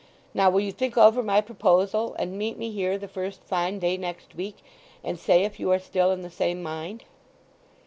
Now will you think over my proposal, and meet me here the first fine day next week, and say if you are still in the same mind?"